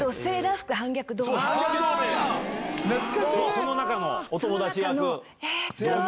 その中のお友達役？